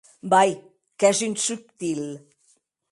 Vai!, qu'ès un subtil!